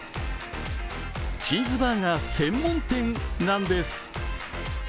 チーズバーガー専門店なんです。